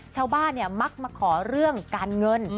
ชาวบ้านมักมาขอเรื่องการเงิน